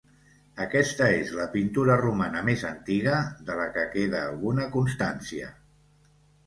Aquesta és la pintura romana més antiga de la que queda alguna constància.